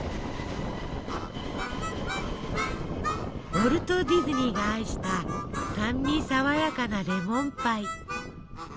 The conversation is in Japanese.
ウォルト・ディズニーが愛した酸味爽やかなレモンパイ。